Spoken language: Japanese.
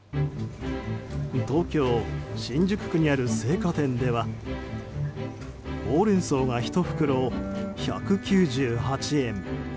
東京・新宿区にある青果店ではホウレンソウが１袋１９８円。